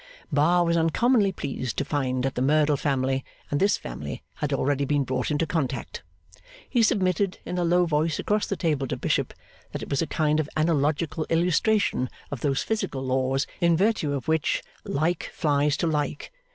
Bar was uncommonly pleased to find that the Merdle family, and this family, had already been brought into contact. He submitted, in a low voice across the table to Bishop, that it was a kind of analogical illustration of those physical laws, in virtue of which Like flies to Like.